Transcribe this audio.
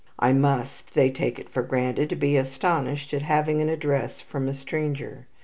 I must, they take it for granted, be astonished at having an address from a stranger.